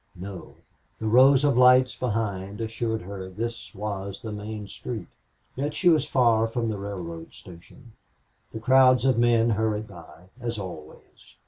No. The rows of lights behind assured her this was the main street. Yet she was far from the railroad station. The crowds of men hurried by, as always.